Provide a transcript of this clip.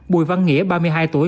bùi văn nghĩa ba mươi hai tuổi